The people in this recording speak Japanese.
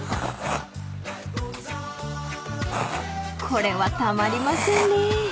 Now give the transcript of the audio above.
［これはたまりませんね］